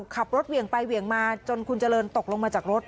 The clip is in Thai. เหวี่ยงไปเหวี่ยงมาจนคุณเจริญตกลงมาจากรถ